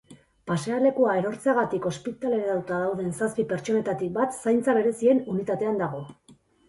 Pasealekua erortzeagatik ospitaleratuta dauden zazpi pertsonetatik bat zaintza berezien unitatean dago.